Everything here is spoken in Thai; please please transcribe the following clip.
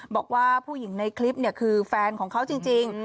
บอกว่าผู้หญิงในคลิปคือแฟนของเขาจริง